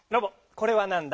これはなんだ？